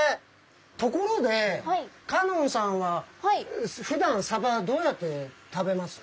ところで香音さんはふだんサバどうやって食べます？